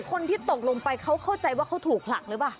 คนที่ตกลงไปเขาเข้าใจว่าเขาถูกผลักหรือเปล่า